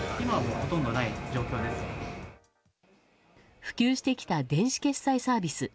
普及してきた電子決済サービス。